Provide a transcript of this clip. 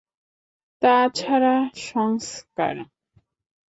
তা ছাড়া সংস্কার।